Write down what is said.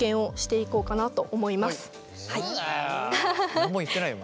何も言ってないよまだ。